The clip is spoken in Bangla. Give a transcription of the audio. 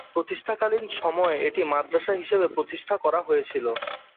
প্রতিষ্ঠাকালীন সময়ে এটি মাদ্রাসা হিসেবে প্রতিষ্ঠা করা হয়েছিল।